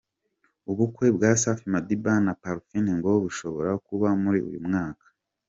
Ubukwe bwa Safi Madiba na Parfine ngo bushobora kuba muri uyu mwaka.